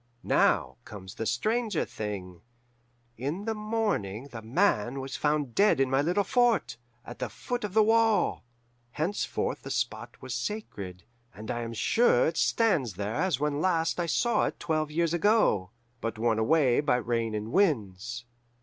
"Now comes the stranger thing. In the morning The Man was found dead in my little fort, at the foot of the wall. Henceforth the spot was sacred, and I am sure it stands there as when last I saw it twelve years ago, but worn away by rains and winds.